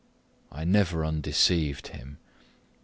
I never undeceived him.